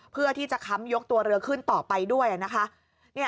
เพื่อที่จะค้ำยกตัวเรือขึ้นต่อไปด้วยนะคะ